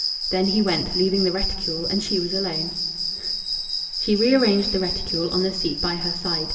Then he went, leaving the reticule, and she was alone. She rearranged the reticule on the seat by her side.